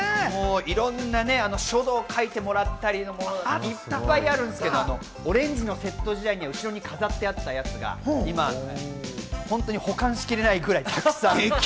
いろんな書道、書いてもらったり、いっぱいあるんですけど、オレンジのセット時代に後ろに飾ってあったやつが、今、保管しきれないぐらいたくさん。